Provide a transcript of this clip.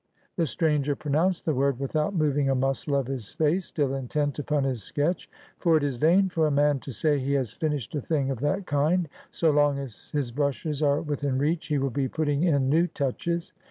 The stranger pronounced the v.'ord without moving a muscle of his face, still intent upon his sketch ; for it is vain for a man to say he has finished a thing of that kind ; so long as his brushes are within reach, he will be putting in new touches.